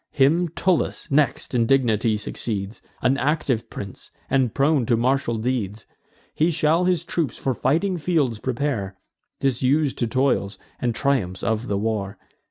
Him Tullus next in dignity succeeds, An active prince, and prone to martial deeds. He shall his troops for fighting fields prepare, Disus'd to toils, and triumphs of the war.